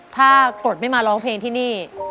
ถ้ากรดไม่มาร้องเพลงที่นี่